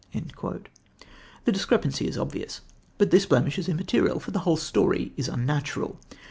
The discrepancy is obvious, but this blemish is immaterial, for the whole story is unnatural.